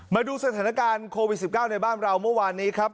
มาดูสถานการณ์โควิด๑๙ในบ้านเราเมื่อวานนี้ครับ